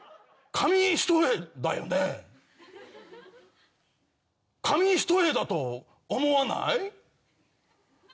紙一重だと思わない？